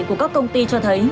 của các công ty cho thấy